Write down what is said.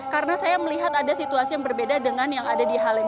karena saya melihat ada situasi yang berbeda dengan yang ada di halim